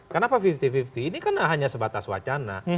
kenapa lima puluh lima puluh ini kan hanya sebatas wacana